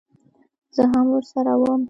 زه هم ورسره وم.